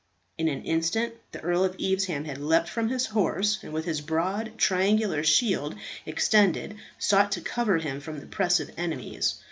In an instant the Earl of Evesham had leapt from his horse and with his broad triangular shield extended sought to cover him from the press of enemies.